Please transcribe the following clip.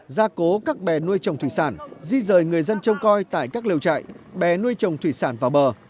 gia cố các bè nuôi trồng thủy sản di rời người dân trông coi tại các lều trại bé nuôi trồng thủy sản vào bờ